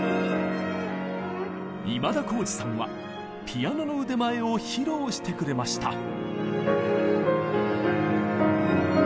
今田耕司さんはピアノの腕前を披露してくれました。